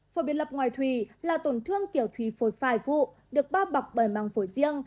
phổi biệt lập ngoài thủy là tổn thương kiểu thủy phổi phải vụ được bao bọc bởi mạng phổi riêng